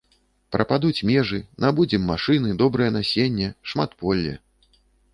Прападуць межы, набудзем машыны, добрае насенне, шматполле.